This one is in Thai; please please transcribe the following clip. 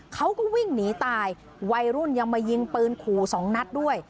เขาก็วิ่งหนีตายวัยรุ่นยังมายิงปืนขู่สองนัดด้วย